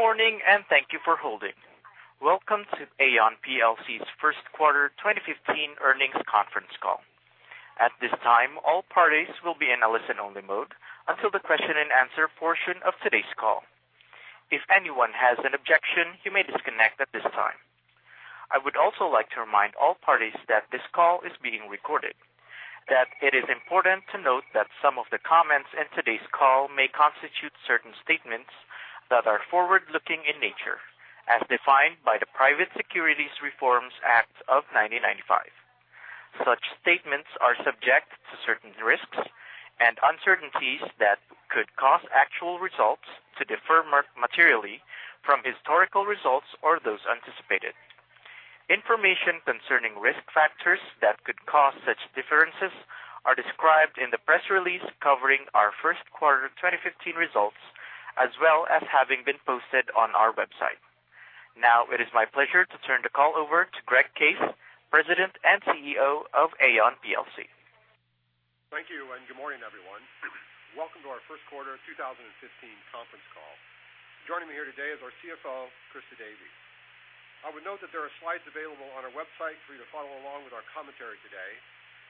Good morning, and thank you for holding. Welcome to Aon PLC's first quarter 2015 earnings conference call. At this time, all parties will be in a listen-only mode until the question and answer portion of today's call. If anyone has an objection, you may disconnect at this time. I would also like to remind all parties that this call is being recorded, that it is important to note that some of the comments in today's call may constitute certain statements that are forward-looking in nature, as defined by the Private Securities Litigation Reform Act of 1995. Such statements are subject to certain risks and uncertainties that could cause actual results to differ materially from historical results or those anticipated. Information concerning risk factors that could cause such differences are described in the press release covering our first quarter 2015 results, as well as having been posted on our website. It is my pleasure to turn the call over to Greg Case, President and CEO of Aon PLC. Thank you. Good morning, everyone. Welcome to our first quarter 2015 conference call. Joining me here today is our CFO, Christa Davies. I would note that there are slides available on our website for you to follow along with our commentary today.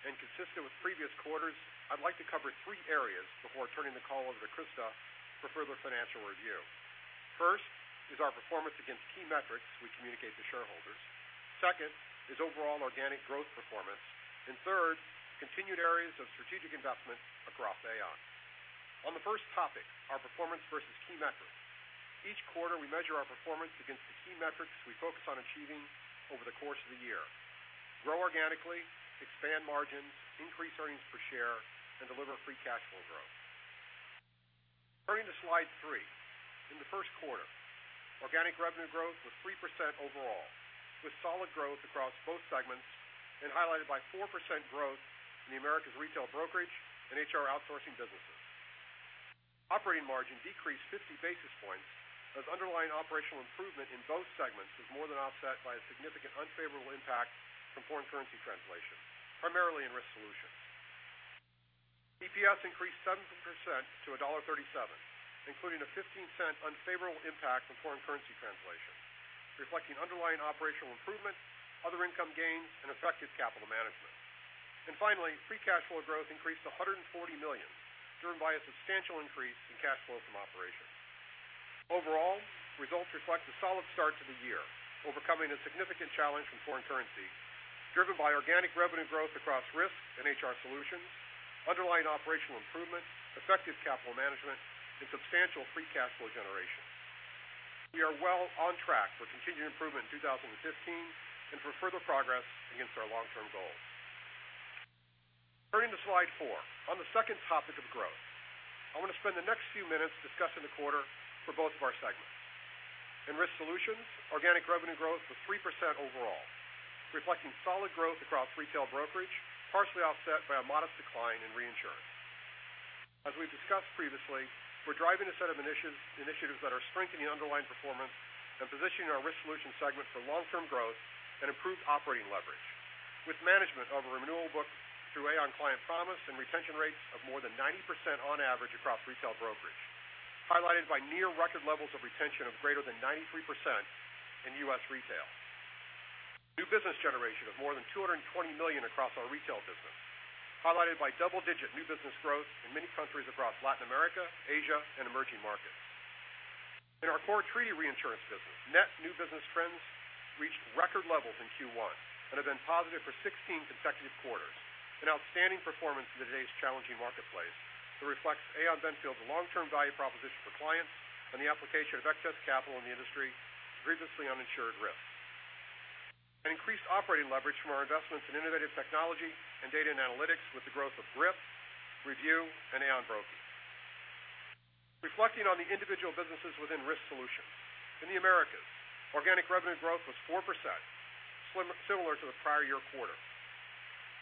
Consistent with previous quarters, I'd like to cover three areas before turning the call over to Christa for further financial review. First is our performance against key metrics we communicate to shareholders. Second is overall organic growth performance. Third, continued areas of strategic investment across Aon. On the first topic, our performance versus key metrics. Each quarter, we measure our performance against the key metrics we focus on achieving over the course of the year. Grow organically, expand margins, increase earnings per share, and deliver free cash flow growth. Turning to slide three. In the first quarter, organic revenue growth was 3% overall, with solid growth across both segments and highlighted by 4% growth in the Americas Retail Brokerage and HR Outsourcing businesses. Operating margin decreased 50 basis points as underlying operational improvement in both segments was more than offset by a significant unfavorable impact from foreign currency translation, primarily in Risk Solutions. EPS increased 7% to $1.37, including a $0.15 unfavorable impact from foreign currency translation, reflecting underlying operational improvement, other income gains, and effective capital management. Finally, free cash flow growth increased to $140 million, driven by a substantial increase in cash flow from operations. Overall, results reflect a solid start to the year, overcoming a significant challenge from foreign currency, driven by organic revenue growth across Risk Solutions and HR Solutions, underlying operational improvement, effective capital management, and substantial free cash flow generation. We are well on track for continued improvement in 2015 and for further progress against our long-term goals. Turning to slide four. On the second topic of growth, I want to spend the next few minutes discussing the quarter for both of our segments. In Risk Solutions, organic revenue growth was 3% overall, reflecting solid growth across Retail Brokerage, partially offset by a modest decline in reinsurance. As we've discussed previously, we're driving a set of initiatives that are strengthening underlying performance and positioning our Risk Solutions segment for long-term growth and improved operating leverage with management of a renewal book through Aon Client Promise and retention rates of more than 90% on average across Retail Brokerage, highlighted by near record levels of retention of greater than 93% in U.S. Retail. New business generation of more than $220 million across our retail business, highlighted by double-digit new business growth in many countries across Latin America, Asia, and emerging markets. In our core treaty reinsurance business, net new business trends reached record levels in Q1 and have been positive for 16 consecutive quarters, an outstanding performance in today's challenging marketplace that reflects Aon Benfield's long-term value proposition for clients and the application of excess capital in the industry to previously uninsured risk. An increased operating leverage from our investments in innovative technology and data and analytics with the growth of GRIP, ReView, and Aon Broking. Reflecting on the individual businesses within Risk Solutions. In the Americas, organic revenue growth was 4%, similar to the prior year quarter.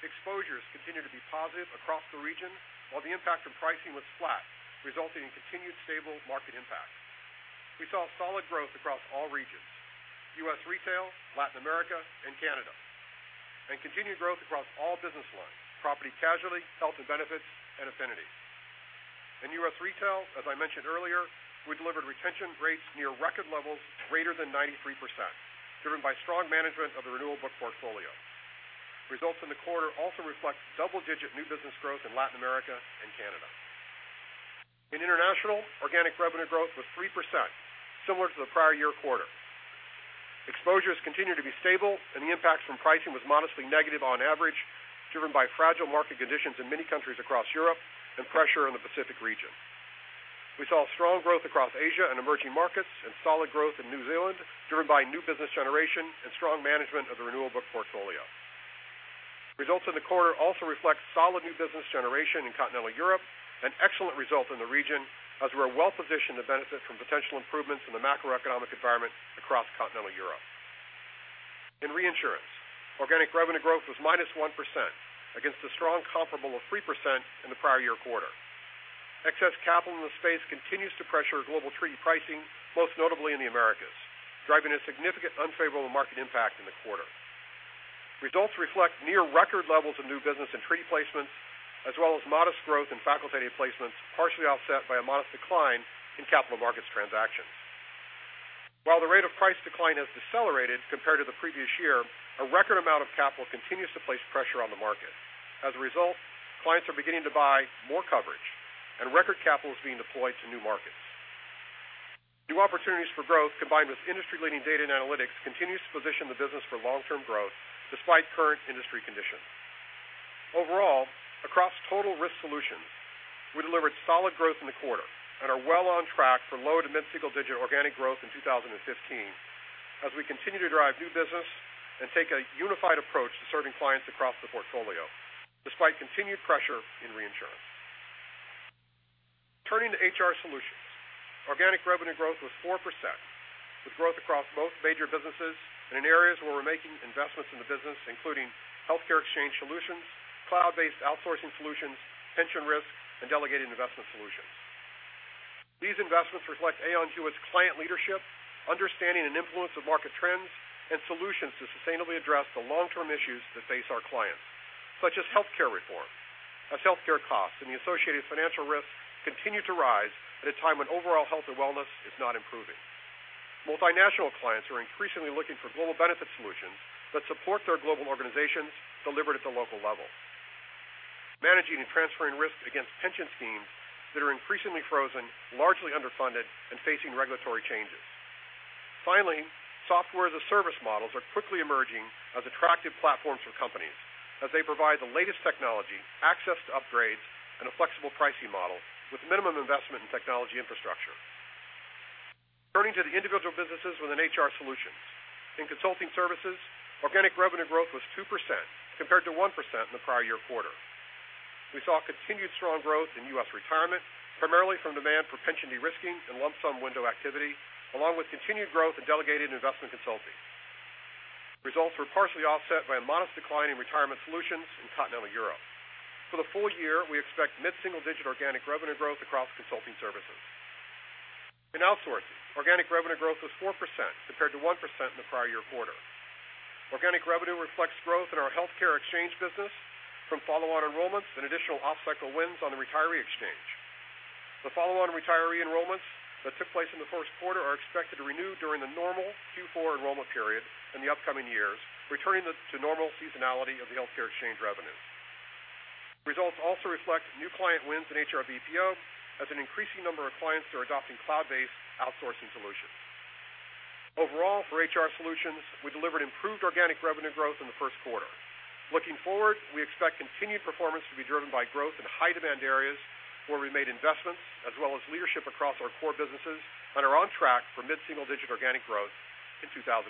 Exposures continued to be positive across the region, while the impact from pricing was flat, resulting in continued stable market impact. We saw solid growth across all regions, U.S. Retail, Latin America, and Canada, and continued growth across all business lines, property casualty, health and benefits, and affinity. In U.S. Retail, as I mentioned earlier, we delivered retention rates near record levels greater than 93%, driven by strong management of the renewable book portfolio. Results in the quarter also reflect double-digit new business growth in Latin America and Canada. In international, organic revenue growth was 3%, similar to the prior year quarter. Exposures continued to be stable and the impact from pricing was modestly negative on average, driven by fragile market conditions in many countries across Europe and pressure in the Pacific region. We saw strong growth across Asia and emerging markets and solid growth in New Zealand, driven by new business generation and strong management of the renewable book portfolio. Results in the quarter also reflect solid new business generation in continental Europe, an excellent result in the region as we're well-positioned to benefit from potential improvements in the macroeconomic environment across continental Europe. In reinsurance, organic revenue growth was -1% against a strong comparable of 3% in the prior year quarter. Excess capital in the space continues to pressure global treaty pricing, most notably in the Americas, driving a significant unfavorable market impact in the quarter. Results reflect near record levels of new business and treaty placements, as well as modest growth in facultative placements, partially offset by a modest decline in capital markets transactions. While the rate of price decline has decelerated compared to the previous year, a record amount of capital continues to place pressure on the market. As a result, clients are beginning to buy more coverage and record capital is being deployed to new markets. New opportunities for growth, combined with industry-leading data and analytics, continues to position the business for long-term growth despite current industry conditions. Overall, across Total Risk Solutions, we delivered solid growth in the quarter and are well on track for low- to mid-single digit organic growth in 2015 as we continue to drive new business and take a unified approach to serving clients across the portfolio, despite continued pressure in reinsurance. Turning to HR Solutions. Organic revenue growth was 4%, with growth across most major businesses and in areas where we're making investments in the business, including healthcare exchange solutions, cloud-based outsourcing solutions, pension risk, and delegated investment solutions. These investments reflect Aon Hewitt's client leadership, understanding and influence of market trends, and solutions to sustainably address the long-term issues that face our clients, such as healthcare reform, as healthcare costs and the associated financial risks continue to rise at a time when overall health and wellness is not improving. Multinational clients are increasingly looking for global benefit solutions that support their global organizations delivered at the local level, managing and transferring risks against pension schemes that are increasingly frozen, largely underfunded and facing regulatory changes. Finally, software as a service models are quickly emerging as attractive platforms for companies as they provide the latest technology, access to upgrades, and a flexible pricing model with minimum investment in technology infrastructure. Turning to the individual businesses within HR Solutions. In consulting services, organic revenue growth was 2% compared to 1% in the prior year quarter. We saw continued strong growth in U.S. retirement, primarily from demand for pension de-risking and lump sum window activity, along with continued growth in delegated investment consulting. Results were partially offset by a modest decline in retirement solutions in Continental Europe. For the full year, we expect mid-single digit organic revenue growth across consulting services. In outsourcing, organic revenue growth was 4% compared to 1% in the prior year quarter. Organic revenue reflects growth in our healthcare exchange business from follow-on enrollments and additional off-cycle wins on the retiree exchange. The follow-on retiree enrollments that took place in the first quarter are expected to renew during the normal Q4 enrollment period in the upcoming years, returning to normal seasonality of the healthcare exchange revenues. Results also reflect new client wins in HR BPO as an increasing number of clients are adopting cloud-based outsourcing solutions. Overall, for HR Solutions, we delivered improved organic revenue growth in the first quarter. Looking forward, we expect continued performance to be driven by growth in high demand areas where we made investments, as well as leadership across our core businesses and are on track for mid-single digit organic growth in 2015.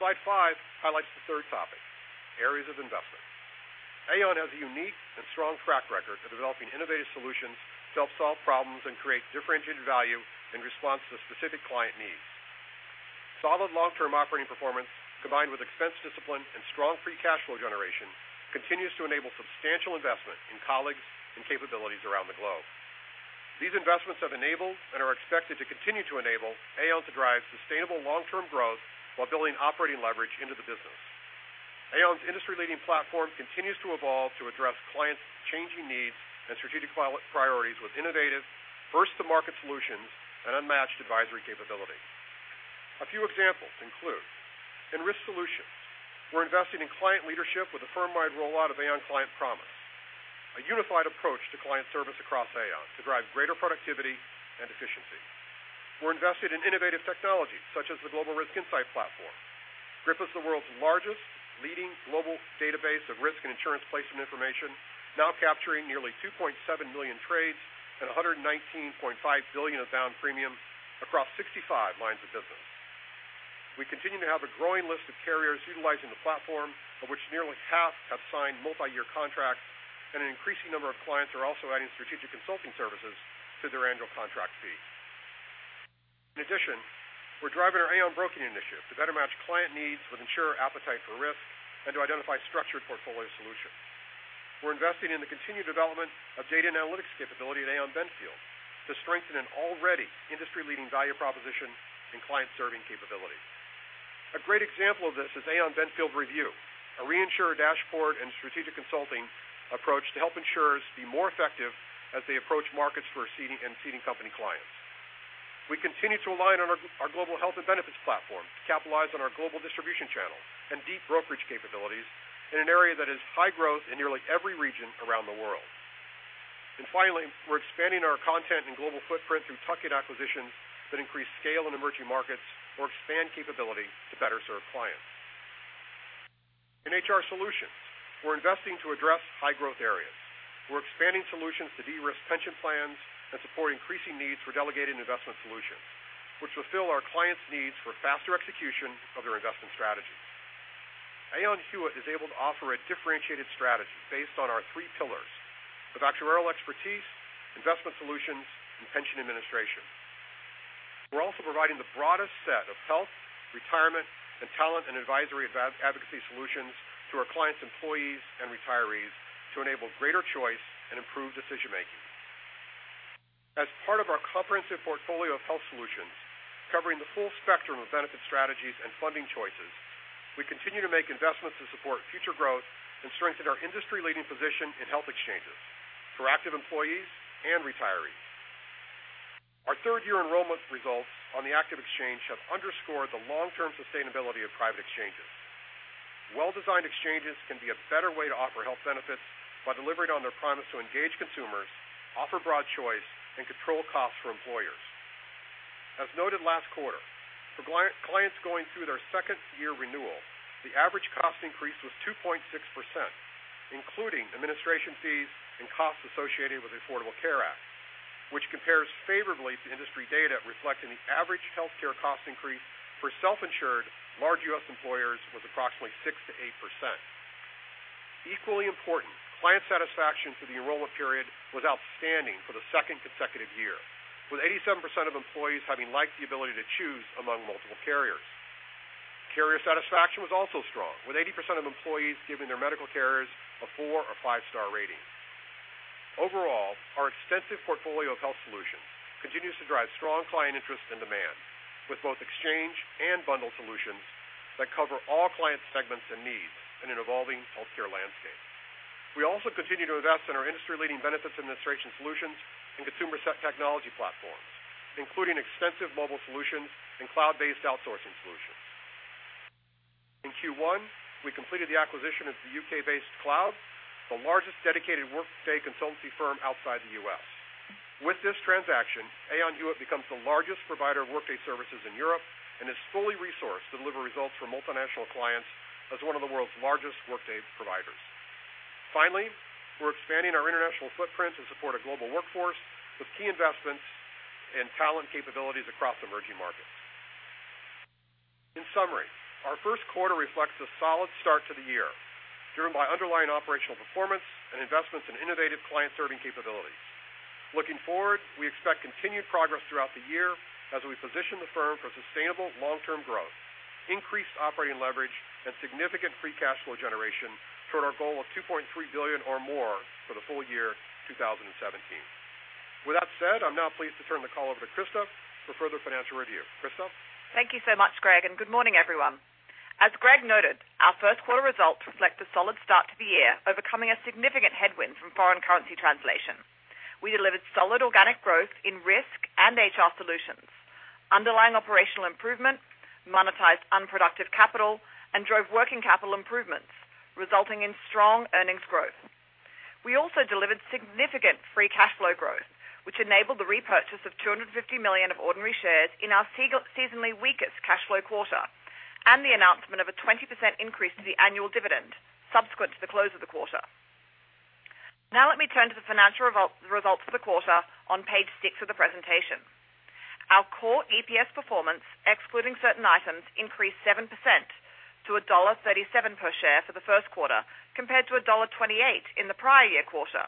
Slide five highlights the third topic, areas of investment. Aon has a unique and strong track record of developing innovative solutions to help solve problems and create differentiated value in response to specific client needs. Solid long-term operating performance, combined with expense discipline and strong free cash flow generation, continues to enable substantial investment in colleagues and capabilities around the globe. These investments have enabled and are expected to continue to enable Aon to drive sustainable long-term growth while building operating leverage into the business. Aon's industry-leading platform continues to evolve to address clients' changing needs and strategic priorities with innovative, first-to-market solutions and unmatched advisory capability. A few examples include in Risk Solutions, we're investing in client leadership with a firm-wide rollout of Aon Client Promise, a unified approach to client service across Aon to drive greater productivity and efficiency. We're invested in innovative technology such as the Global Risk Insight Platform. GRIP is the world's largest leading global database of risk and insurance placement information, now capturing nearly 2.7 million trades and $119.5 billion of bound premium across 65 lines of business. We continue to have a growing list of carriers utilizing the platform, of which nearly half have signed multi-year contracts. An increasing number of clients are also adding strategic consulting services to their annual contract fee. We're driving our Aon Broking Initiative to better match client needs with insurer appetite for risk and to identify structured portfolio solutions. We're investing in the continued development of data and analytics capability at Aon Benfield to strengthen an already industry-leading value proposition and client serving capability. A great example of this is Aon Benfield ReView, a reinsurer dashboard and strategic consulting approach to help insurers be more effective as they approach markets for ceding and assuming company clients. We continue to align on our global health and benefits platform to capitalize on our global distribution channel and deep brokerage capabilities in an area that is high growth in nearly every region around the world. Finally, we're expanding our content and global footprint through tuck-in acquisitions that increase scale in emerging markets or expand capability to better serve clients. HR Solutions, we're investing to address high growth areas. We're expanding solutions to de-risk pension plans and support increasing needs for delegated investment solutions, which fulfill our clients' needs for faster execution of their investment strategies. Aon Hewitt is able to offer a differentiated strategy based on our three pillars of actuarial expertise, investment solutions, and pension administration. We're also providing the broadest set of health, retirement, and talent and advisory advocacy solutions to our clients' employees and retirees to enable greater choice and improved decision making. As part of our comprehensive portfolio of health solutions covering the full spectrum of benefit strategies and funding choices, we continue to make investments to support future growth and strengthen our industry-leading position in health exchanges for active employees and retirees. Our third-year enrollment results on the active exchange have underscored the long-term sustainability of private exchanges. Well-designed exchanges can be a better way to offer health benefits by delivering on their promise to engage consumers, offer broad choice, and control costs for employers. As noted last quarter, for clients going through their second-year renewal, the average cost increase was 2.6%, including administration fees and costs associated with the Affordable Care Act, which compares favorably to industry data reflecting the average healthcare cost increase for self-insured large U.S. employers was approximately 6%-8%. Equally important, client satisfaction for the enrollment period was outstanding for the second consecutive year, with 87% of employees having liked the ability to choose among multiple carriers. Carrier satisfaction was also strong, with 80% of employees giving their medical carriers a four or five-star rating. Overall, our extensive portfolio of health solutions continues to drive strong client interest and demand with both exchange and bundle solutions that cover all client segments and needs in an evolving healthcare landscape. We also continue to invest in our industry-leading benefits administration solutions and consumer technology platforms, including extensive mobile solutions and cloud-based outsourcing solutions. In Q1, we completed the acquisition of the U.K.-based Kloud, the largest dedicated Workday consultancy firm outside the U.S. With this transaction, Aon Hewitt becomes the largest provider of Workday services in Europe and is fully resourced to deliver results for multinational clients as one of the world's largest Workday providers. Finally, we're expanding our international footprint to support a global workforce with key investments in talent capabilities across emerging markets. In summary, our first quarter reflects a solid start to the year, driven by underlying operational performance and investments in innovative client-serving capabilities. Looking forward, we expect continued progress throughout the year as we position the firm for sustainable long-term growth, increased operating leverage, and significant free cash flow generation toward our goal of $2.3 billion or more for the full year 2017. With that said, I'm now pleased to turn the call over to Christa for further financial review. Christa? Thank you so much, Greg. Good morning, everyone. As Greg noted, our first quarter results reflect a solid start to the year, overcoming a significant headwind from foreign currency translation. We delivered solid organic growth in Risk and HR Solutions, underlying operational improvement, monetized unproductive capital, and drove working capital improvements, resulting in strong earnings growth. We also delivered significant free cash flow growth, which enabled the repurchase of $250 million of ordinary shares in our seasonally weakest cash flow quarter, and the announcement of a 20% increase to the annual dividend subsequent to the close of the quarter. Now let me turn to the financial results for the quarter on page six of the presentation. Our core EPS performance, excluding certain items, increased 7% to $1.37 per share for the first quarter, compared to $1.28 in the prior year quarter.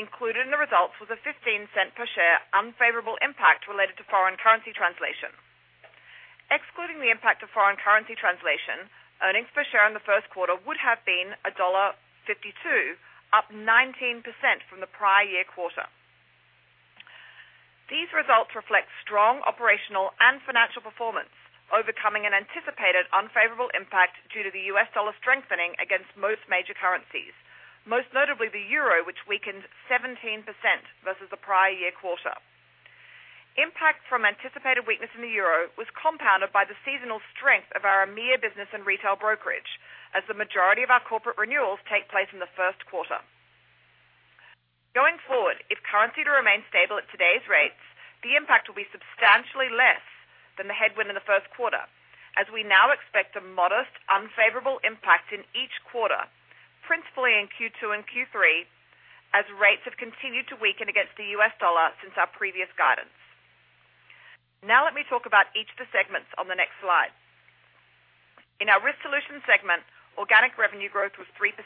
Included in the results was a $0.15 per share unfavorable impact related to foreign currency translation. Excluding the impact of foreign currency translation, earnings per share in the first quarter would have been $1.52, up 19% from the prior year quarter. These results reflect strong operational and financial performance, overcoming an anticipated unfavorable impact due to the U.S. dollar strengthening against most major currencies, most notably the EUR, which weakened 17% versus the prior year quarter. Impact from anticipated weakness in the EUR was compounded by the seasonal strength of our EMEA business and Retail Brokerage, as the majority of our corporate renewals take place in the first quarter. Going forward, if currency were to remain stable at today's rates, the impact will be substantially less than the headwind in the first quarter, as we now expect a modest unfavorable impact in each quarter, principally in Q2 and Q3, as rates have continued to weaken against the US dollar since our previous guidance. Let me talk about each of the segments on the next slide. In our Risk Solutions segment, organic revenue growth was 3%.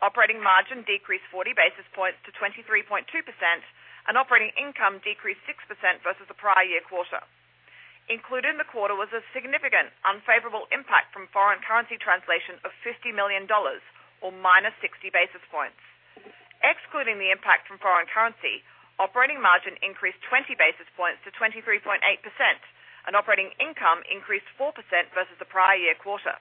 Operating margin decreased 40 basis points to 23.2%, and operating income decreased 6% versus the prior year quarter. Included in the quarter was a significant unfavorable impact from foreign currency translation of $50 million or minus 60 basis points. Excluding the impact from foreign currency, operating margin increased 20 basis points to 23.8%, and operating income increased 4% versus the prior year quarter.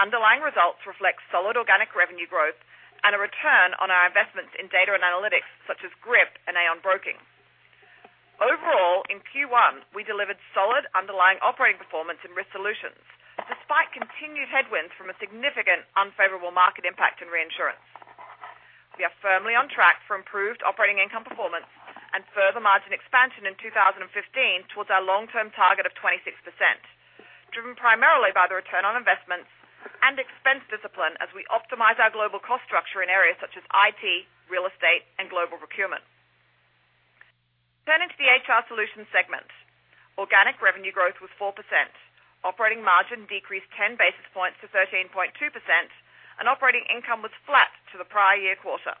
Underlying results reflect solid organic revenue growth and a return on our investments in data and analytics such as GRIP and Aon Broking. Overall, in Q1, we delivered solid underlying operating performance in Risk Solutions, despite continued headwinds from a significant unfavorable market impact in reinsurance. We are firmly on track for improved operating income performance and further margin expansion in 2015 towards our long-term target of 26%, driven primarily by the return on investments and expense discipline as we optimize our global cost structure in areas such as IT, real estate, and global procurement. Turning to the HR Solutions segment. Organic revenue growth was 4%. Operating margin decreased 10 basis points to 13.2%, and operating income was flat to the prior year quarter.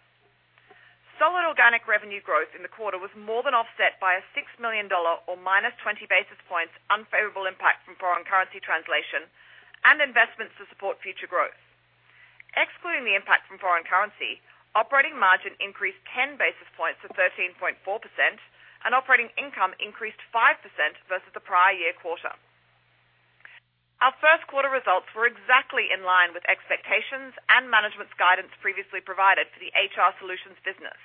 Solid organic revenue growth in the quarter was more than offset by a $6 million or minus 20 basis points unfavorable impact from foreign currency translation and investments to support future growth. Excluding the impact from foreign currency, operating margin increased 10 basis points to 13.4%, and operating income increased 5% versus the prior year quarter. Our first quarter results were exactly in line with expectations and management's guidance previously provided for the HR Solutions business,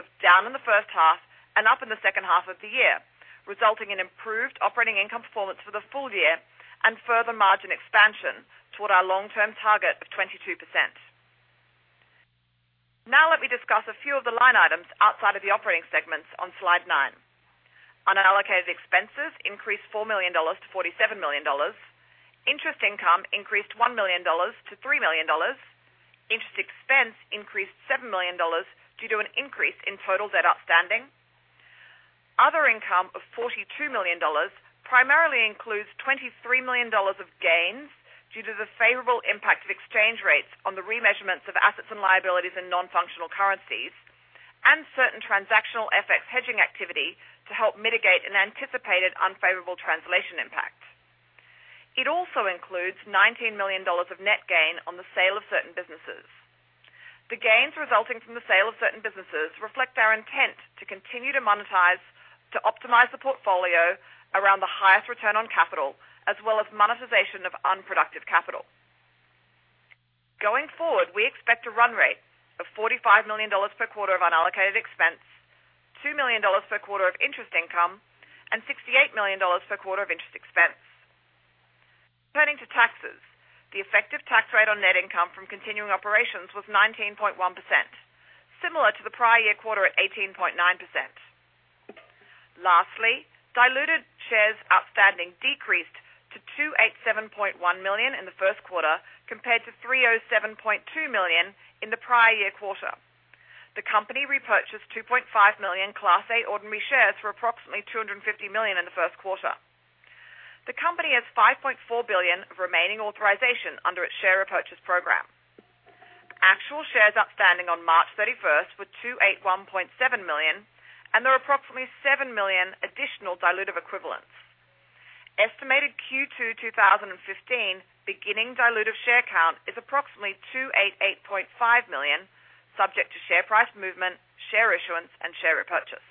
of down in the first half and up in the second half of the year, resulting in improved operating income performance for the full year and further margin expansion toward our long-term target of 22%. Let me discuss a few of the line items outside of the operating segments on slide nine. Unallocated expenses increased $4 million to $47 million. Interest income increased $1 million to $3 million. Interest expense increased $7 million due to an increase in total debt outstanding. Other income of $42 million primarily includes $23 million of gains due to the favorable impact of exchange rates on the remeasurements of assets and liabilities in non-functional currencies, and certain transactional FX hedging activity to help mitigate an anticipated unfavorable translation impact. It also includes $19 million of net gain on the sale of certain businesses. The gains resulting from the sale of certain businesses reflect our intent to continue to optimize the portfolio around the highest return on capital, as well as monetization of unproductive capital. Going forward, we expect a run rate of $45 million per quarter of unallocated expense, $2 million per quarter of interest income, and $68 million per quarter of interest expense. Turning to taxes, the effective tax rate on net income from continuing operations was 19.1%, similar to the prior year quarter at 18.9%. Lastly, diluted shares outstanding decreased to 287.1 million in the first quarter compared to 307.2 million in the prior year quarter. The company repurchased 2.5 million Class A ordinary shares for approximately $250 million in the first quarter. The company has $5.4 billion of remaining authorization under its share repurchase program. Actual shares outstanding on March 31st were 281.7 million, and there are approximately seven million additional dilutive equivalents. Estimated Q2 2015 beginning dilutive share count is approximately 288.5 million, subject to share price movement, share issuance, and share repurchase.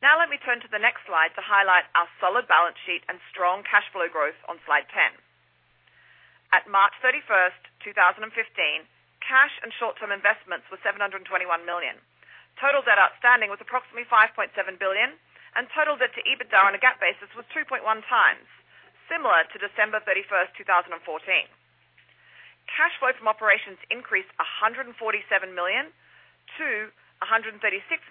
Let me turn to the next slide to highlight our solid balance sheet and strong cash flow growth on slide 10. At March 31st, 2015, cash and short-term investments were $721 million. Total debt outstanding was approximately $5.7 billion, and total debt to EBITDA on a GAAP basis was 2.1 times, similar to December 31st, 2014. Cash flow from operations increased $147 million to $136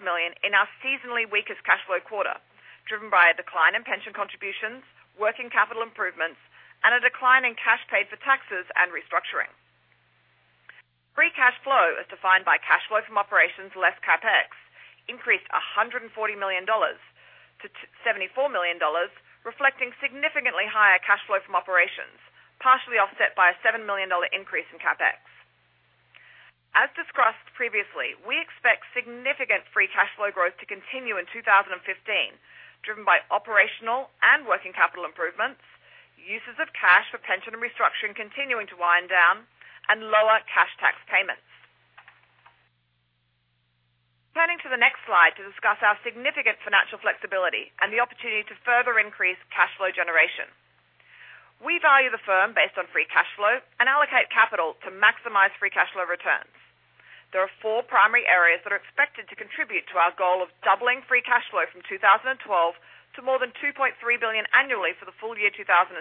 million in our seasonally weakest cash flow quarter, driven by a decline in pension contributions, working capital improvements, and a decline in cash paid for taxes and restructuring. Free cash flow, as defined by cash flow from operations less CapEx, increased $140 million to $74 million, reflecting significantly higher cash flow from operations, partially offset by a $7 million increase in CapEx. As discussed previously, we expect significant free cash flow growth to continue in 2015, driven by operational and working capital improvements, uses of cash for pension and restructuring continuing to wind down, and lower cash tax payments. Turning to the next slide to discuss our significant financial flexibility and the opportunity to further increase cash flow generation. We value the firm based on free cash flow and allocate capital to maximize free cash flow returns. There are four primary areas that are expected to contribute to our goal of doubling free cash flow from 2012 to more than $2.3 billion annually for the full year 2017.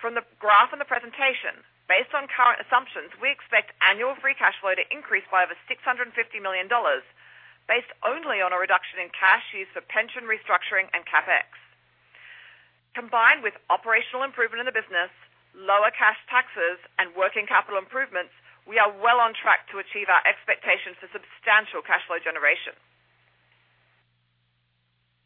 From the graph in the presentation, based on current assumptions, we expect annual free cash flow to increase by over $650 million based only on a reduction in cash used for pension restructuring and CapEx. Combined with operational improvement in the business, lower cash taxes, and working capital improvements, we are well on track to achieve our expectations for substantial cash flow generation.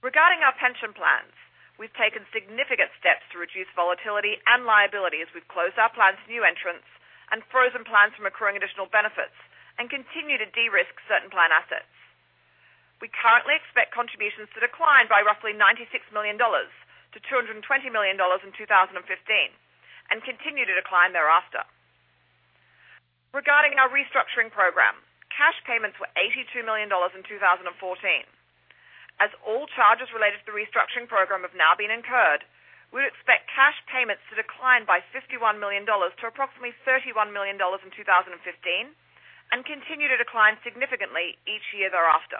Regarding our pension plans, we've taken significant steps to reduce volatility and liability as we've closed our plans to new entrants and frozen plans from accruing additional benefits and continue to de-risk certain plan assets. We currently expect contributions to decline by roughly $96 million to $220 million in 2015 and continue to decline thereafter. Regarding our restructuring program, cash payments were $82 million in 2014. As all charges related to the restructuring program have now been incurred, we expect cash payments to decline by $51 million to approximately $31 million in 2015 and continue to decline significantly each year thereafter.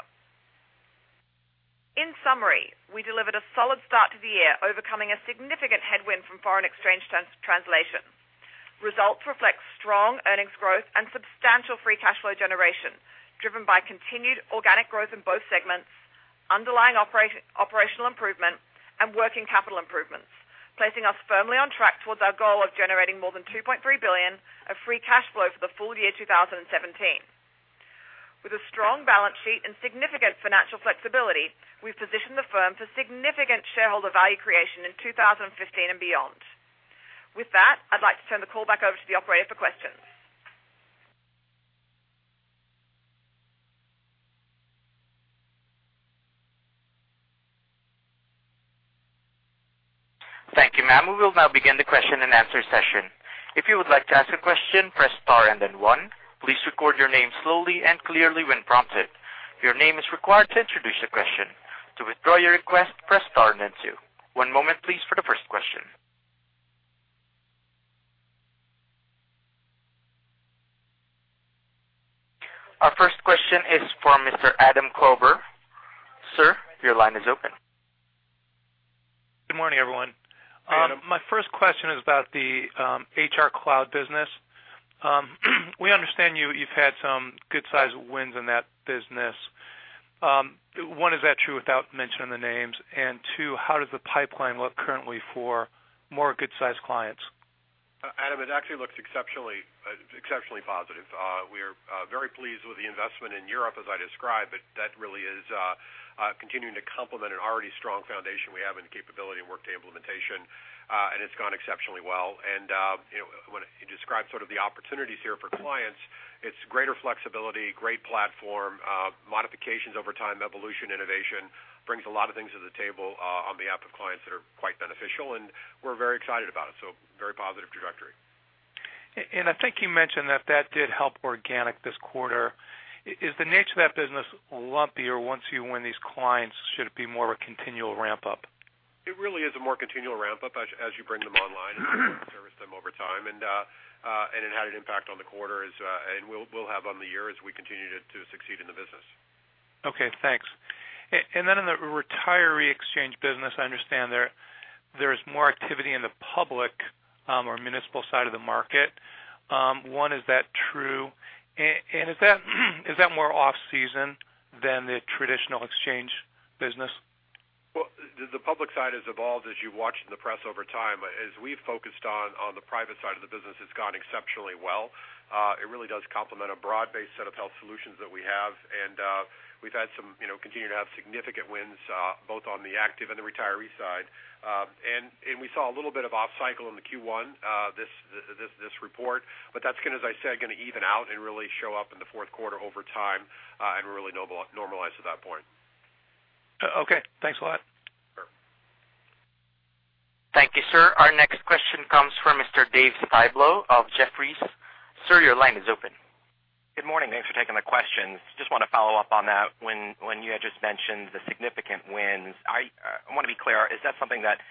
In summary, we delivered a solid start to the year, overcoming a significant headwind from foreign exchange translation. Results reflect strong earnings growth and substantial free cash flow generation, driven by continued organic growth in both segments, underlying operational improvement, and working capital improvements, placing us firmly on track towards our goal of generating more than $2.3 billion of free cash flow for the full year 2017. With a strong balance sheet and significant financial flexibility, we've positioned the firm for significant shareholder value creation in 2015 and beyond. With that, I'd like to turn the call back over to the operator for questions. Thank you, ma'am. We will now begin the question and answer session. If you would like to ask a question, press star and then one. Please record your name slowly and clearly when prompted. Your name is required to introduce the question. To withdraw your request, press star and then two. One moment please for the first question. Our first question is for Mr. Adam Klauber. Sir, your line is open. Good morning, everyone. Hey, Adam. My first question is about the HR cloud business. We understand you've had some good-sized wins in that business. One, is that true without mentioning the names? Two, how does the pipeline look currently for more good-sized clients? Adam, it actually looks exceptionally positive. We are very pleased with the investment in Europe, as I described. That really is continuing to complement an already strong foundation we have in capability and Workday implementation. It's gone exceptionally well. When you describe the opportunities here for clients, it's greater flexibility, great platform, modifications over time, evolution, innovation, brings a lot of things to the table on behalf of clients that are quite beneficial, and we're very excited about it. Very positive trajectory. I think you mentioned that that did help organic this quarter. Is the nature of that business lumpier once you win these clients? Should it be more of a continual ramp-up? It really is a more continual ramp-up as you bring them online and service them over time. It had an impact on the quarter, and will have on the year as we continue to succeed in the business. Okay, thanks. In the retiree exchange business, I understand there is more activity in the public or municipal side of the market. One, is that true? Is that more off-season than the traditional exchange business? Well, the public side has evolved as you watch in the press over time. As we've focused on the private side of the business, it's gone exceptionally well. It really does complement a broad-based set of health solutions that we have. We've continued to have significant wins both on the active and the retiree side. We saw a little bit of off-cycle in the Q1, this report, but that's, as I said, going to even out and really show up in the fourth quarter over time, and really normalize at that point. Okay. Thanks a lot. Sure. Thank you, sir. Our next question comes from Mr. Dave Styblo of Jefferies. Sir, your line is open. Good morning. Thanks for taking the questions. Just want to follow up on that when you had just mentioned the significant wins. I want to be clear. Is that something that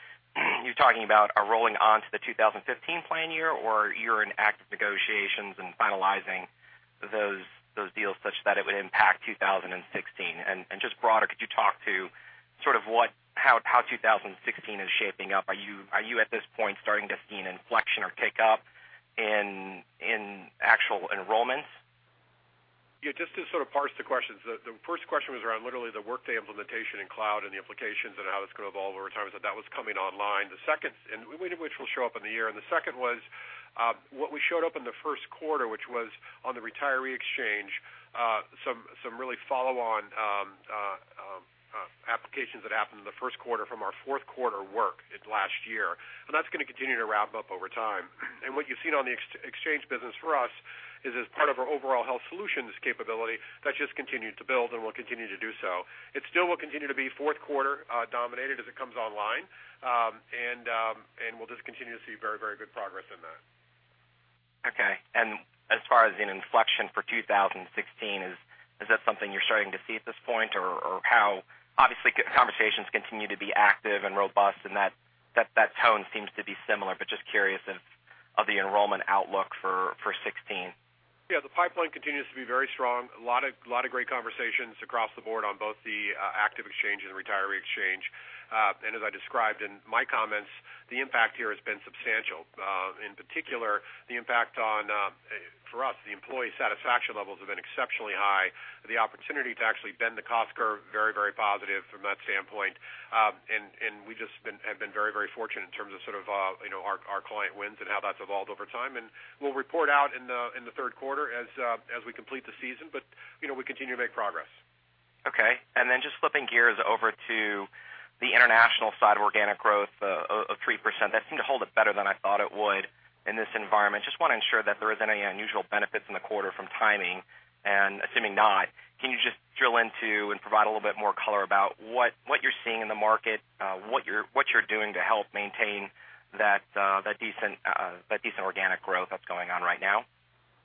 you're talking about are rolling onto the 2015 plan year, or you're in active negotiations and finalizing those deals such that it would impact 2016? Just broader, could you talk to how 2016 is shaping up? Are you at this point starting to see an inflection or tick up in actual enrollments? Just to parse the questions. The first question was around literally the Workday implementation in Kloud and the implications and how it's going to evolve over time as that was coming online, which will show up in the year. The second was what we showed up in the first quarter, which was on the retiree exchange, some really follow-on applications that happened in the first quarter from our fourth quarter work last year. That's going to continue to ramp up over time. What you've seen on the exchange business for us is as part of our overall Health Solutions capability, that's just continued to build and will continue to do so. It still will continue to be fourth quarter dominated as it comes online. We'll just continue to see very good progress in that. Okay. As far as an inflection for 2016, is that something you're starting to see at this point? How, obviously, conversations continue to be active and robust, and that tone seems to be similar, but just curious of the enrollment outlook for 2016. The pipeline continues to be very strong. A lot of great conversations across the board on both the active exchange and the retiree exchange. As I described in my comments, the impact here has been substantial. In particular, the impact on, for us, the employee satisfaction levels have been exceptionally high. The opportunity to actually bend the cost curve, very positive from that standpoint. We just have been very fortunate in terms of our client wins and how that's evolved over time. We'll report out in the third quarter as we complete the season, but we continue to make progress. Okay. Then just flipping gears over to the international side, organic growth of 3%. That seemed to hold up better than I thought it would in this environment. Just want to ensure that there isn't any unusual benefits in the quarter from timing. Assuming not, can you just drill into and provide a little bit more color about what you're seeing in the market, what you're doing to help maintain that decent organic growth that's going on right now?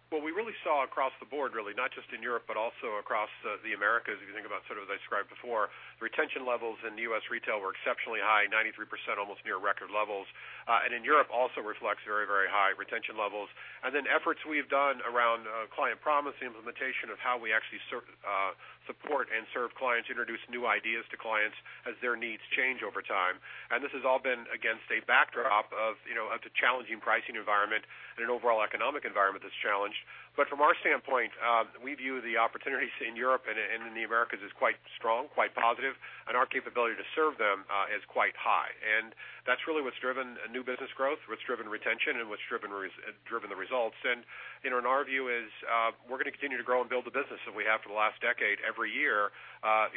What we really saw across the board, really, not just in Europe, but also across the Americas, if you think about as I described before, retention levels in U.S. Retail were exceptionally high, 93%, almost near record levels. In Europe also reflects very high retention levels. Then efforts we've done around Aon Client Promise, the implementation of how we actually support and serve clients, introduce new ideas to clients as their needs change over time. This has all been against a backdrop of a challenging pricing environment and an overall economic environment that's challenged. From our standpoint, we view the opportunities in Europe and in the Americas as quite strong, quite positive, and our capability to serve them as quite high. That's really what's driven new business growth, what's driven retention, and what's driven the results. Our view is we're going to continue to grow and build the business that we have for the last decade every year,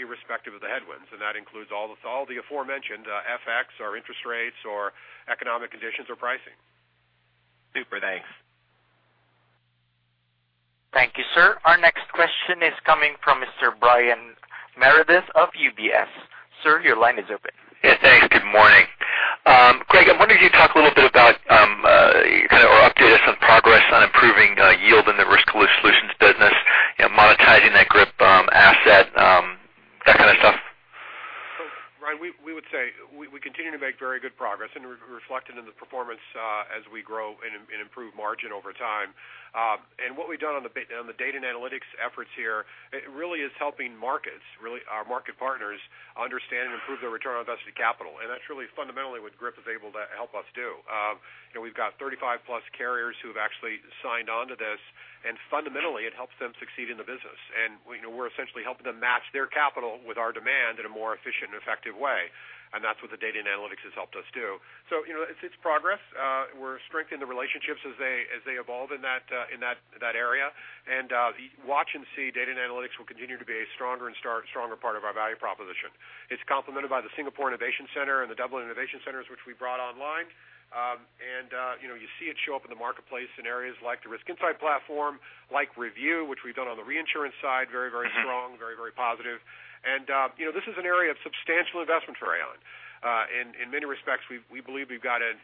irrespective of the headwinds. That includes all the aforementioned, FX or interest rates or economic conditions or pricing. Super. Thanks. Thank you, sir. Our next question is coming from Mr. Brian Meredith of UBS. Sir, your line is open. Yes, thanks. Good morning. Greg, I'm wondering if you could talk a little bit about or update us on progress on improving yield in the Risk Solutions business, monetizing that GRIP asset, that kind of stuff. Brian, we would say we continue to make very good progress and reflected in the performance as we grow and improve margin over time. What we've done on the data and analytics efforts here, it really is helping our market partners understand and improve their return on invested capital. That's really fundamentally what GRIP is able to help us do. We've got 35-plus carriers who have actually signed on to this, and fundamentally it helps them succeed in the business. We're essentially helping them match their capital with our demand in a more efficient and effective way. That's what the data and analytics has helped us do. It's progress. We're strengthening the relationships as they evolve in that area. Watch and see, data and analytics will continue to be a stronger and stronger part of our value proposition. It's complemented by the Singapore Innovation Center and the Dublin Innovation Center, which we brought online. You see it show up in the marketplace in areas like the Risk Insight Platform, like ReView, which we've done on the reinsurance side, very, very strong, very, very positive. This is an area of substantial investment for Aon. In many respects, we believe we've got an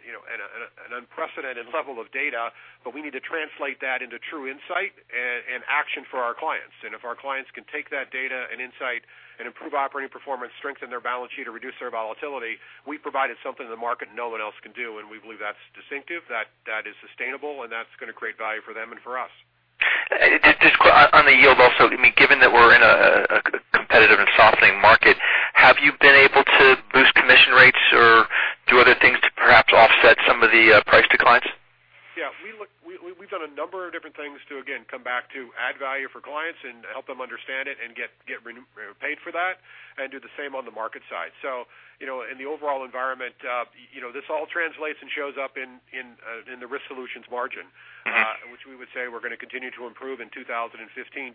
unprecedented level of data, but we need to translate that into true insight and action for our clients. If our clients can take that data and insight and improve operating performance, strengthen their balance sheet, or reduce their volatility, we've provided something to the market no one else can do. We believe that's distinctive, that is sustainable, and that's going to create value for them and for us. On the yield, given that we're in a competitive and softening market, have you been able to boost commission rates or do other things to perhaps offset some of the price declines? Yeah. We've done a number of different things to, again, come back to add value for clients and help them understand it and get paid for that and do the same on the market side. In the overall environment, this all translates and shows up in the Risk Solutions margin, which we would say we're going to continue to improve in 2015,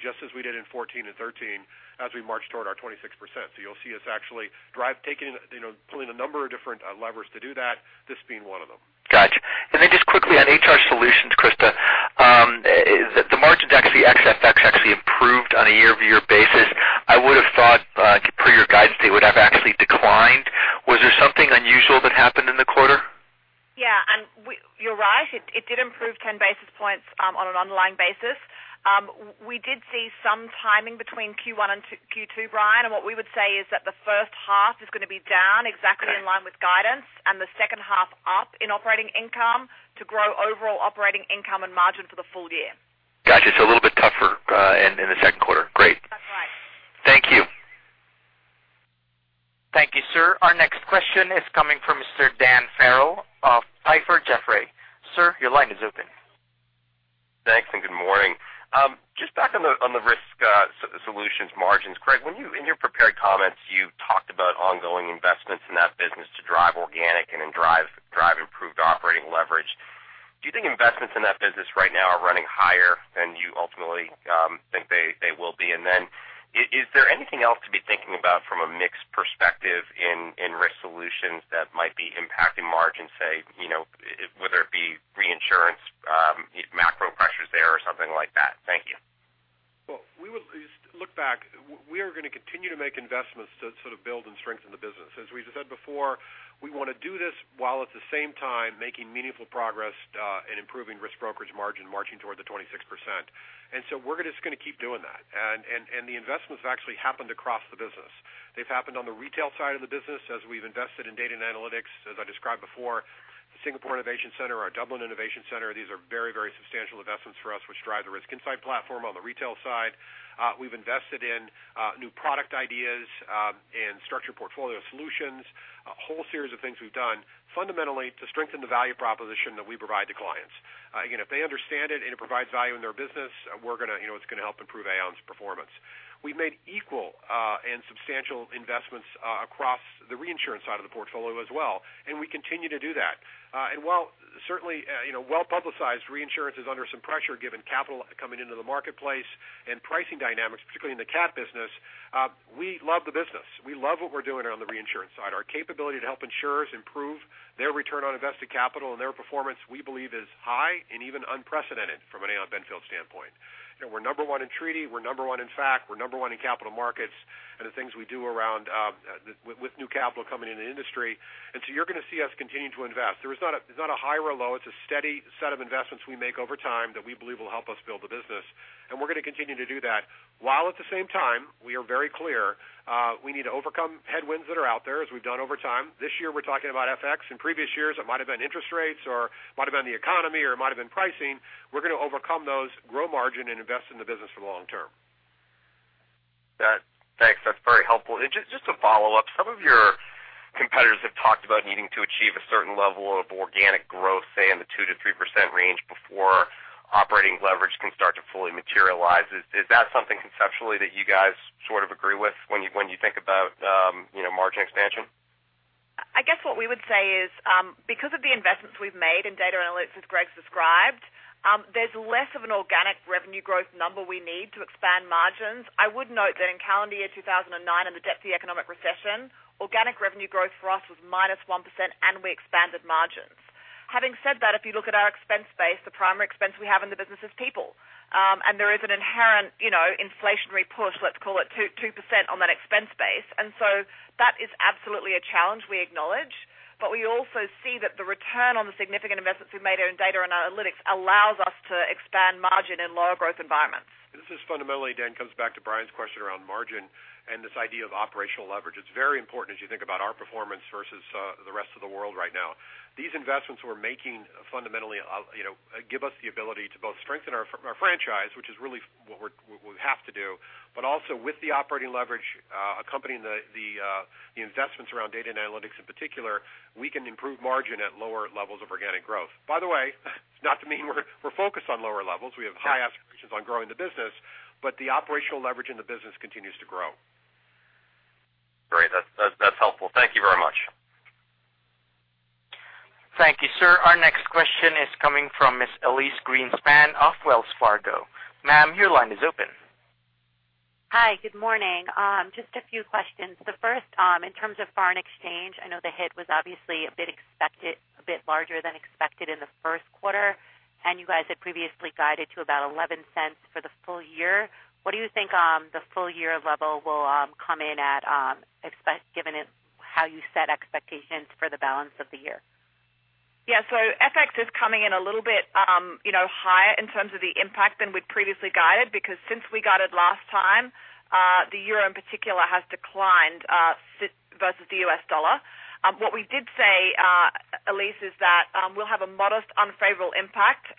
just as we did in 2014 and 2013, as we march toward our 26%. You'll see us actually pulling a number of different levers to do that, this being one of them. Got you. Just quickly on HR Solutions, Christa. The margin, ex FX actually improved on a year-over-year basis. I would have thought per your guidance, they would have actually declined. Was there something unusual that happened in the quarter? Yeah. You're right. It did improve 10 basis points on an underlying basis. We did see some timing between Q1 and Q2, Brian, what we would say is that the first half is going to be down exactly in line with guidance and the second half up in operating income to grow overall operating income and margin for the full year. Got you. A little bit tougher in the second quarter. Great. That's right. Thank you. Thank you, sir. Our next question is coming from Mr. Dan Farrell of Piper Jaffray. Sir, your line is open. Thanks, and good morning. Just back on the Risk Solutions margins, Greg, in your prepared comments, you talked about ongoing investments in that business to drive organic and then drive improved operating leverage. Do you think investments in that business right now are running higher than you ultimately think they will be? Is there anything else to be thinking about from a mix perspective in Risk Solutions that might be impacting margin, say, whether it be reinsurance, macro pressures there or something like that? Thank you. Well, look back. We are going to continue to make investments to sort of build and strengthen the business. As we said before, we want to do this while at the same time making meaningful progress in improving risk brokerage margin, marching toward the 26%. We're just going to keep doing that. The investments have actually happened across the business. They've happened on the retail side of the business as we've invested in data and analytics, as I described before, the Singapore Innovation Center, our Dublin Innovation Center. These are very, very substantial investments for us, which drive the Risk Insight Platform on the retail side. We've invested in new product ideas and structured portfolio solutions, a whole series of things we've done fundamentally to strengthen the value proposition that we provide to clients. Again, if they understand it and it provides value in their business, it's going to help improve Aon's performance. We've made equal and substantial investments across the reinsurance side of the portfolio as well, and we continue to do that. While certainly well-publicized reinsurance is under some pressure given capital coming into the marketplace and pricing dynamics, particularly in the CAT business, we love the business. We love what we're doing on the reinsurance side. Our capability to help insurers improve their return on invested capital and their performance, we believe is high and even unprecedented from an Aon Benfield standpoint. We're number 1 in treaty, we're number 1 in facultative, we're number 1 in capital markets and the things we do with new capital coming in the industry. You're going to see us continue to invest. It's not a high or a low. It's a steady set of investments we make over time that we believe will help us build the business. We're going to continue to do that while at the same time, we are very clear we need to overcome headwinds that are out there as we've done over time. This year, we're talking about FX. In previous years, it might have been interest rates or it might have been the economy or it might have been pricing. We're going to overcome those, grow margin, and invest in the business for the long term. Thanks. That's very helpful. Just a follow-up. Some of your competitors have talked about needing to achieve a certain level of organic growth, say in the 2%-3% range before operating leverage can start to fully materialize. Is that something conceptually that you guys sort of agree with when you think about margin expansion? I guess what we would say is because of the investments we've made in data analytics, as Greg Case described, there's less of an organic revenue growth number we need to expand margins. I would note that in calendar year 2009, in the depth of the economic recession, organic revenue growth for us was -1% and we expanded margins. Having said that, if you look at our expense base, the primary expense we have in the business is people. There is an inherent inflationary push, let's call it 2%, on that expense base. That is absolutely a challenge we acknowledge, but we also see that the return on the significant investments we've made in data and analytics allows us to expand margin in lower growth environments. This fundamentally, Dan Farrell, comes back to Brian Meredith's question around margin and this idea of operational leverage. It's very important as you think about our performance versus the rest of the world right now. These investments we're making fundamentally give us the ability to both strengthen our franchise, which is really what we have to do, but also with the operating leverage accompanying the investments around data and analytics in particular, we can improve margin at lower levels of organic growth. By the way, it's not to mean we're focused on lower levels. We have high aspirations on growing the business, but the operational leverage in the business continues to grow. Great. That's helpful. Thank you very much. Thank you, sir. Our next question is coming from Miss Elyse Greenspan of Wells Fargo. Ma'am, your line is open. Hi, good morning. Just a few questions. The first, in terms of foreign exchange, I know the hit was obviously a bit larger than expected in the first quarter, and you guys had previously guided to about $0.11 for the full year. What do you think the full-year level will come in at, given how you set expectations for the balance of the year? Yeah. FX is coming in a little bit higher in terms of the impact than we'd previously guided, because since we guided last time, the Euro in particular has declined versus the U.S. dollar. What we did say, Elyse, is that we'll have a modest unfavorable impact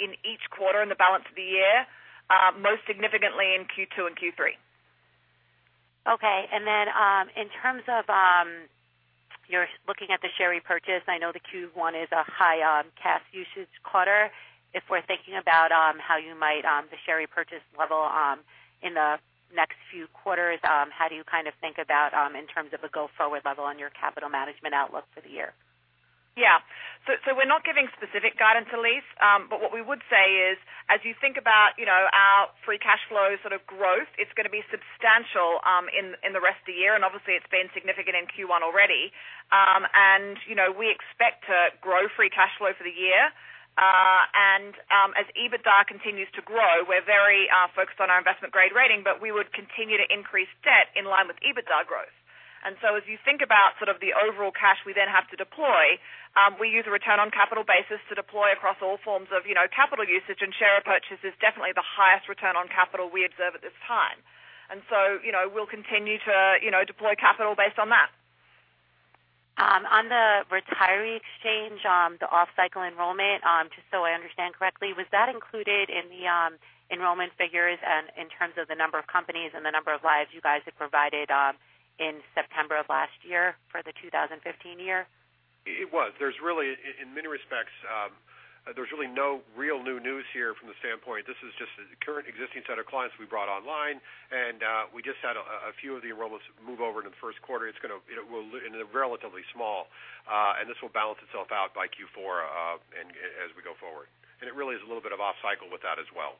in each quarter in the balance of the year, most significantly in Q2 and Q3. Okay, in terms of your looking at the share repurchase, I know the Q1 is a high cash usage quarter. If we're thinking about the share repurchase level in the next few quarters, how do you think about in terms of a go-forward level on your capital management outlook for the year? Yeah. We're not giving specific guidance, Elyse. What we would say is, as you think about our free cash flow growth, it's going to be substantial in the rest of the year, and obviously it's been significant in Q1 already. We expect to grow free cash flow for the year. As EBITDA continues to grow, we're very focused on our investment-grade rating, but we would continue to increase debt in line with EBITDA growth. As you think about the overall cash we then have to deploy, we use a return on capital basis to deploy across all forms of capital usage and share repurchase is definitely the highest return on capital we observe at this time. We'll continue to deploy capital based on that. On the retiree exchange, the off-cycle enrollment, just so I understand correctly, was that included in the enrollment figures and in terms of the number of companies and the number of lives you guys had provided in September of last year for the 2015 year? It was. In many respects, there's really no real new news here from the standpoint. This is just a current existing set of clients we brought online, and we just had a few of the enrollments move over into the first quarter. It's relatively small, and this will balance itself out by Q4 as we go forward. It really is a little bit of off-cycle with that as well.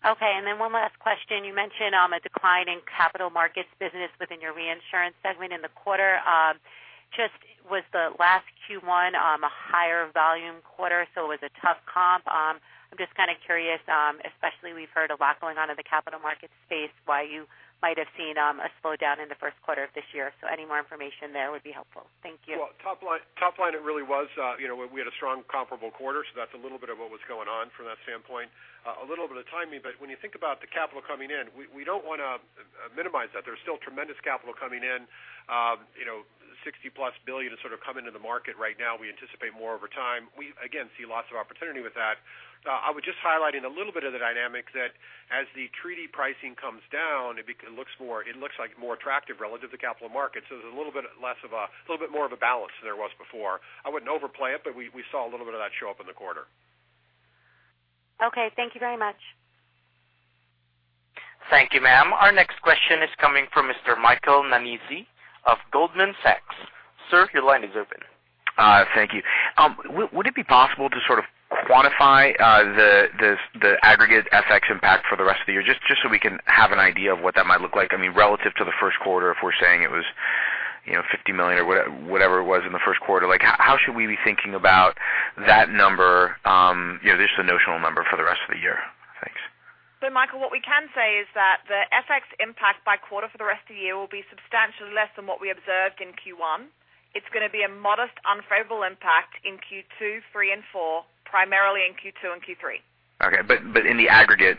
Okay, one last question. You mentioned a decline in capital markets business within your reinsurance segment in the quarter. Just was the last Q1 a higher volume quarter, so it was a tough comp? I'm just kind of curious, especially we've heard a lot going on in the capital market space, why you might have seen a slowdown in the first quarter of this year. Any more information there would be helpful. Thank you. Top line, we had a strong comparable quarter. That's a little bit of what was going on from that standpoint. A little bit of timing. When you think about the capital coming in, we don't want to minimize that. There's still tremendous capital coming in. $60 billion-plus is sort of coming into the market right now. We anticipate more over time. We again, see lots of opportunity with that. I would just highlight in a little bit of the dynamic that as the treaty pricing comes down, it looks more attractive relative to capital markets. There's a little bit more of a balance than there was before. I wouldn't overplay it. We saw a little bit of that show up in the quarter. Thank you very much. Thank you, ma'am. Our next question is coming from Mr. Michael Nannizzi of Goldman Sachs. Sir, your line is open. Thank you. Would it be possible to sort of quantify the aggregate FX impact for the rest of the year? We can have an idea of what that might look like. I mean, relative to the first quarter, if we're saying it was $50 million or whatever it was in the first quarter, how should we be thinking about that number, just a notional number for the rest of the year? Thanks. Michael, what we can say is that the FX impact by quarter for the rest of the year will be substantially less than what we observed in Q1. It's going to be a modest unfavorable impact in Q2, three, and four, primarily in Q2 and Q3. In the aggregate,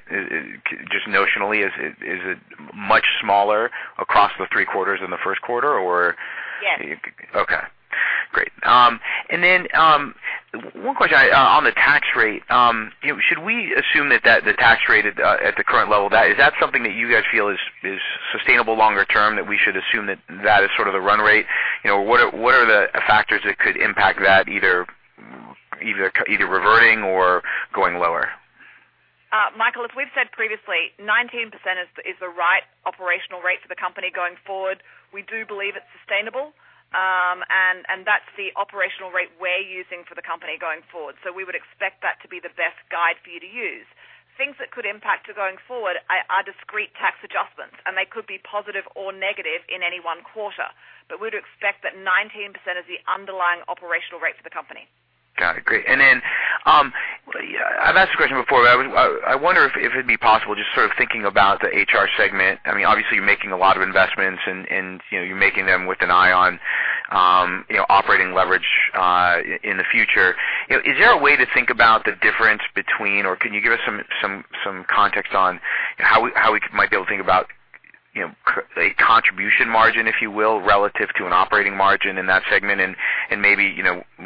just notionally, is it much smaller across the three quarters in the first quarter or? Yes. One question on the tax rate. Should we assume that the tax rate at the current level, is that something that you guys feel is sustainable longer term that we should assume that that is sort of the run rate? What are the factors that could impact that either reverting or going lower? Michael, as we've said previously, 19% is the right operational rate for the company going forward. We do believe it's sustainable. That's the operational rate we're using for the company going forward. We would expect that to be the best guide for you to use. Things that could impact it going forward are discrete tax adjustments, and they could be positive or negative in any one quarter. We'd expect that 19% is the underlying operational rate for the company. Got it. Great. Then I've asked the question before, but I wonder if it'd be possible, just thinking about the HR segment. Obviously, you're making a lot of investments, and you're making them with an eye on operating leverage in the future. Is there a way to think about the difference between, or can you give us some context on how we might be able to think about a contribution margin, if you will, relative to an operating margin in that segment and maybe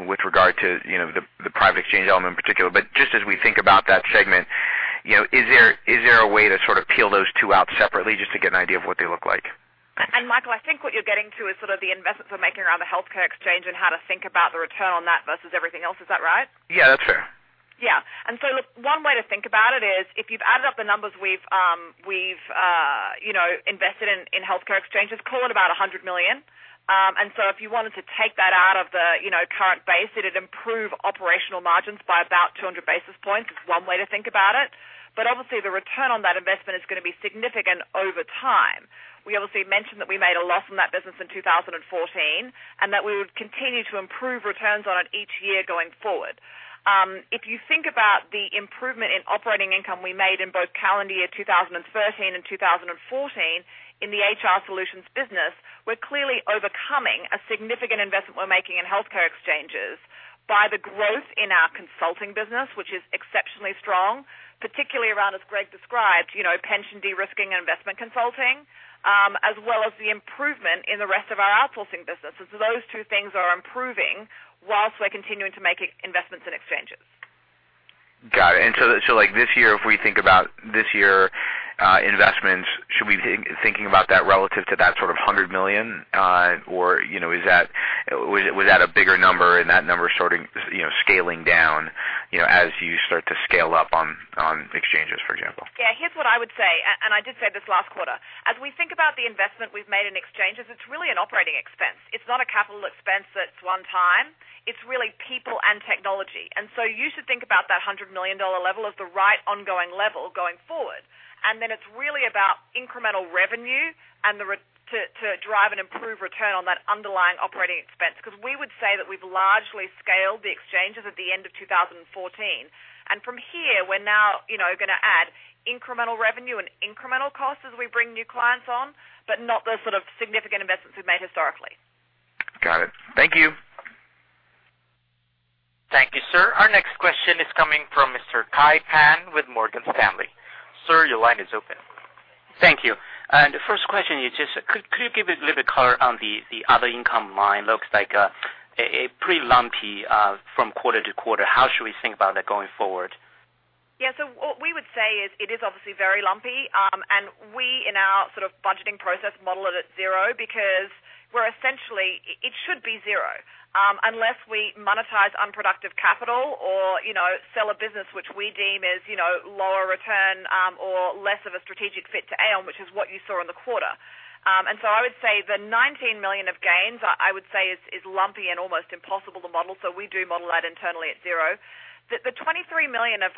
with regard to the private exchange element in particular? Just as we think about that segment, is there a way to sort of peel those two out separately just to get an idea of what they look like? Michael, I think what you're getting to is sort of the investments we're making around the healthcare exchange and how to think about the return on that versus everything else. Is that right? Yeah, that's fair. Yeah. Look, one way to think about it is if you've added up the numbers we've invested in healthcare exchanges, call it about $100 million. If you wanted to take that out of the current base, it'd improve operational margins by about 200 basis points. It's one way to think about it. Obviously, the return on that investment is going to be significant over time. We obviously mentioned that we made a loss from that business in 2014, and that we would continue to improve returns on it each year going forward. If you think about the improvement in operating income we made in both calendar year 2013 and 2014 in the HR Solutions business, we're clearly overcoming a significant investment we're making in healthcare exchanges by the growth in our consulting business, which is exceptionally strong, particularly around, as Greg described, pension de-risking and investment consulting, as well as the improvement in the rest of our outsourcing business. Those two things are improving whilst we're continuing to make investments in exchanges. Got it. This year, if we think about this year's investments, should we be thinking about that relative to that sort of $100 million? Or was that a bigger number and that number starting scaling down as you start to scale up on exchanges, for example? Yeah. Here's what I would say, I did say this last quarter. As we think about the investment we've made in exchanges, it's really an operating expense. It's not a capital expense that's one time. It's really people and technology. You should think about that $100 million level as the right ongoing level going forward. Then it's really about incremental revenue to drive and improve return on that underlying operating expense. We would say that we've largely scaled the exchanges at the end of 2014. From here, we're now going to add incremental revenue and incremental costs as we bring new clients on, but not the sort of significant investments we've made historically. Got it. Thank you. Thank you, sir. Our next question is coming from Mr. Kai Pan with Morgan Stanley. Sir, your line is open. Thank you. The first question is just could you give a little bit color on the other income line? Looks like pretty lumpy from quarter to quarter. How should we think about that going forward? Yeah. What we would say is it is obviously very lumpy, and we, in our sort of budgeting process, model it at zero because where essentially it should be zero. Unless we monetize unproductive capital or sell a business which we deem is lower return or less of a strategic fit to Aon, which is what you saw in the quarter. I would say the $19 million of gains, I would say is lumpy and almost impossible to model, so we do model that internally at zero. The $23 million of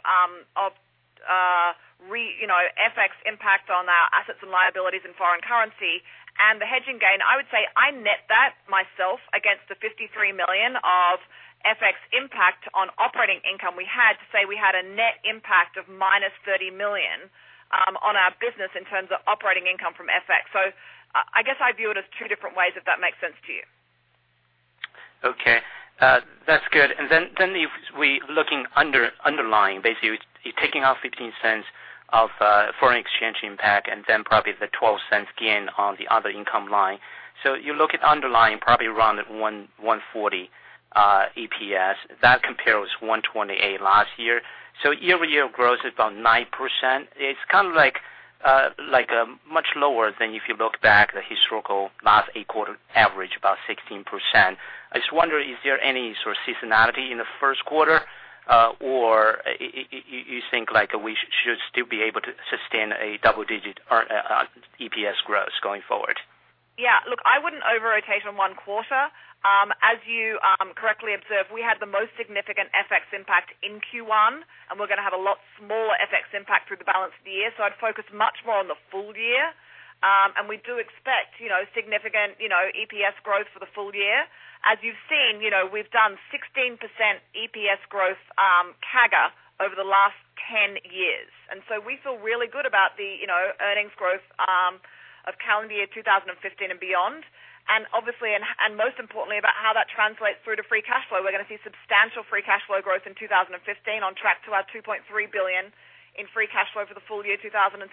FX impact on our assets and liabilities in foreign currency and the hedging gain, I would say I net that myself against the $53 million of FX impact on operating income we had to say we had a net impact of minus $30 million on our business in terms of operating income from FX. I guess I view it as two different ways, if that makes sense to you. Okay. That's good. If we looking underlying, basically you're taking off $0.15 of foreign exchange impact and then probably the $0.12 gain on the other income line. You look at underlying probably around at $1.40 EPS. That compares $1.28 last year. Year-over-year growth is about 9%. It's kind of much lower than if you look back the historical last eight quarter average, about 16%. I just wonder, is there any sort of seasonality in the first quarter? You think we should still be able to sustain a double-digit EPS growth going forward? Yeah. Look, I wouldn't over-rotate on one quarter. As you correctly observed, we had the most significant FX impact in Q1, and we're going to have a lot smaller FX impact through the balance of the year. I'd focus much more on the full year. We do expect significant EPS growth for the full year. As you've seen, we've done 16% EPS growth CAGR over the last 10 years. We feel really good about the earnings growth of calendar year 2015 and beyond. Obviously, and most importantly, about how that translates through to free cash flow. We're going to see substantial free cash flow growth in 2015 on track to our $2.3 billion in free cash flow for the full year 2017.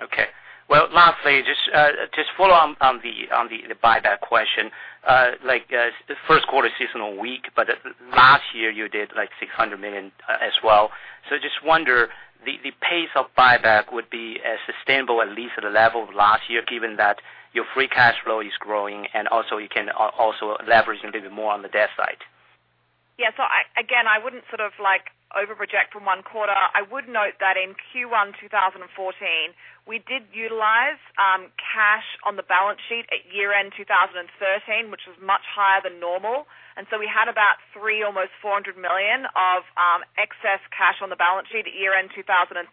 Okay. Well, lastly, just to follow on the buyback question. The first quarter seasonal week, but last year you did like $600 million as well. I just wonder, the pace of buyback would be sustainable at least at a level of last year, given that your free cash flow is growing and also you can also leverage a little bit more on the debt side. Yeah. Again, I wouldn't sort of over project from one quarter. I would note that in Q1 2014, we did utilize cash on the balance sheet at year-end 2013, which was much higher than normal. We had about $3, almost $400 million of excess cash on the balance sheet at year-end 2013,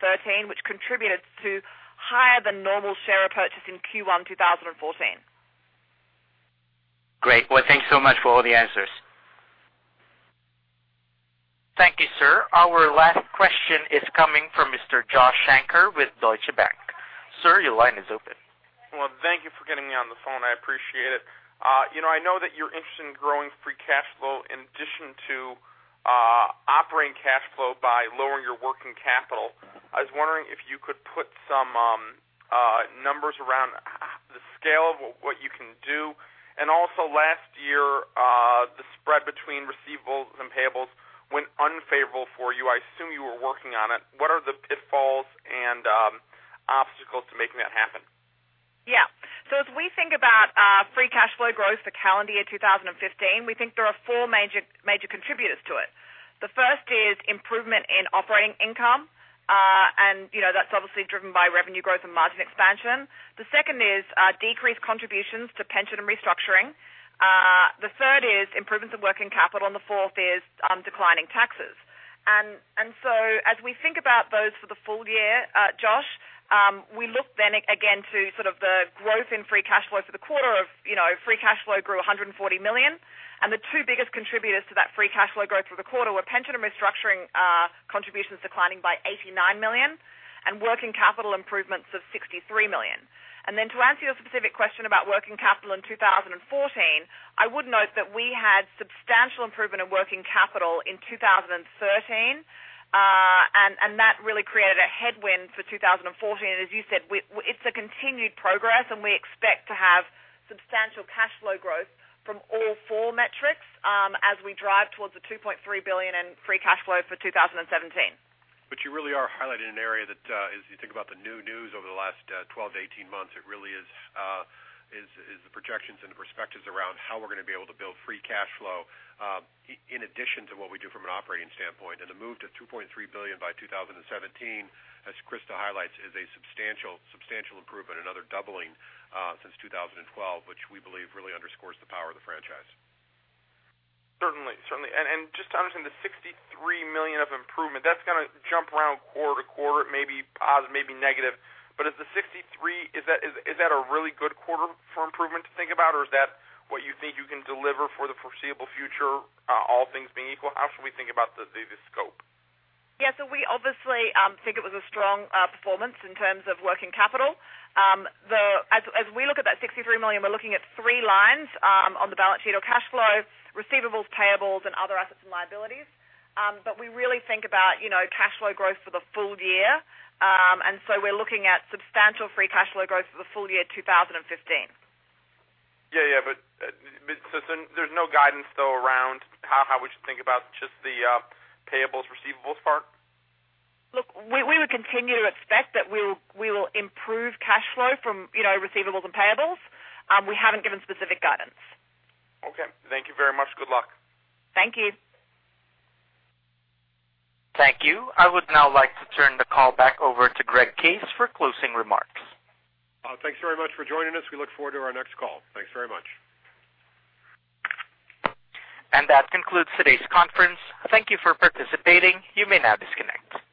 which contributed to higher than normal share repurchases in Q1 2014. Great. Thanks so much for all the answers. Thank you, sir. Our last question is coming from Mr. Joshua Shanker with Deutsche Bank. Sir, your line is open. Thank you for getting me on the phone. I appreciate it. I know that you're interested in growing free cash flow in addition to operating cash flow by lowering your working capital. I was wondering if you could put some numbers around the scale of what you can do, and also last year, the spread between receivables and payables went unfavorable for you. I assume you were working on it. What are the pitfalls and obstacles to making that happen? As we think about free cash flow growth for calendar year 2015, we think there are four major contributors to it. The first is improvement in operating income, and that's obviously driven by revenue growth and margin expansion. The second is decreased contributions to pension and restructuring. The third is improvements in working capital, and the fourth is declining taxes. As we think about those for the full year, Josh, we look then again to sort of the growth in free cash flow for the quarter of free cash flow grew $140 million, and the two biggest contributors to that free cash flow growth for the quarter were pension and restructuring contributions declining by $89 million, and working capital improvements of $63 million. To answer your specific question about working capital in 2014, I would note that we had substantial improvement in working capital in 2013. That really created a headwind for 2014. As you said, it's a continued progress, and we expect to have substantial cash flow growth from all four metrics as we drive towards the $2.3 billion in free cash flow for 2017. You really are highlighting an area that as you think about the new news over the last 12 to 18 months, it really is the projections and the perspectives around how we're going to be able to build free cash flow in addition to what we do from an operating standpoint. The move to $2.3 billion by 2017, as Christa highlights, is a substantial improvement, another doubling since 2012, which we believe really underscores the power of the franchise. Certainly. Just to understand the $63 million of improvement, that's going to jump around quarter-to-quarter. It may be positive, it may be negative. Is the $63 million a really good quarter for improvement to think about, or is that what you think you can deliver for the foreseeable future all things being equal? How should we think about the scope? Yeah. We obviously think it was a strong performance in terms of working capital. As we look at that $63 million, we're looking at three lines on the balance sheet or cash flow, receivables, payables, and other assets and liabilities. We really think about cash flow growth for the full year. We're looking at substantial free cash flow growth for the full year 2015. Yeah. There's no guidance though around how we should think about just the payables, receivables part? Look, we would continue to expect that we will improve cash flow from receivables and payables. We haven't given specific guidance. Okay. Thank you very much. Good luck. Thank you. Thank you. I would now like to turn the call back over to Greg Case for closing remarks. Thanks very much for joining us. We look forward to our next call. Thanks very much. That concludes today's conference. Thank you for participating. You may now disconnect.